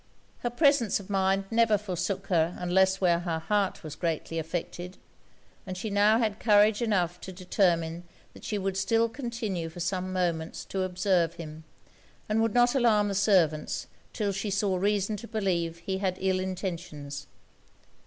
Her presence of mind never forsook her unless where her heart was greatly affected; and she had now courage enough to determine that she would still continue for some moments to observe him, and would not alarm the servants till she saw reason to believe he had ill intentions.